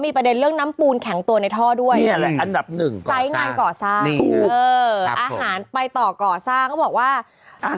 เพราะอันนี้มันแข็งแล้วแข็งเลยเนอะ